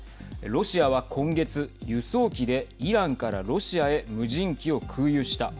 ロシアは今月、輸送機でイランからロシアへ無人機を空輸した。